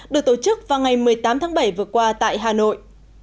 được tổ chức vào ngày một mươi tám tháng bảy vừa qua tại hà nội